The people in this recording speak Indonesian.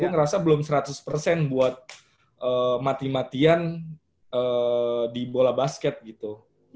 dia ngerasa belum seratus persen buat mati matian di bola basket gitu